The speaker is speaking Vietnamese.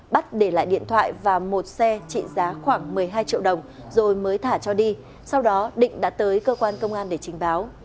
bắt để lại điện thoại và một xe trị giá khoảng một mươi hai triệu đồng rồi mới thả cho đi sau đó định đã tới cơ quan công an để trình báo